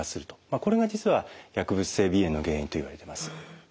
これが実は薬物性鼻炎の原因といわれてます。